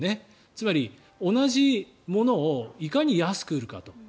つまり、同じものをいかに安く売るかと。